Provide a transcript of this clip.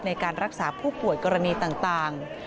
ในการรักษาผู้ป่วยกรณีต่าง